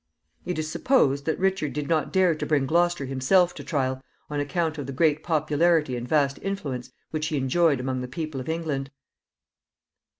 It is supposed that Richard did not dare to bring Gloucester himself to trial, on account of the great popularity and vast influence which he enjoyed among the people of England.